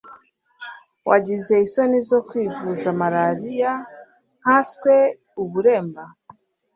wagize isoni zo kwivuza malariya nkanswe uburemba.